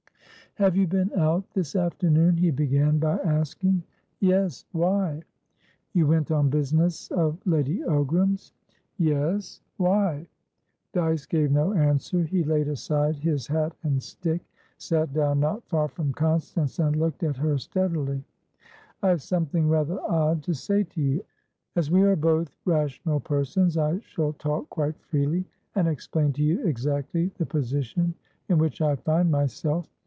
"Have you been out this afternoon?" he began by asking. "Yes. Why?" "You went on business of Lady Ogram's?" "Yes. Why?" Dyce gave no answer. He laid aside his hat and stick, sat down not far from Constance, and looked at her steadily. "I have something rather odd to say to you. As we are both rational persons, I shall talk quite freely, and explain to you exactly the position in which I find myself.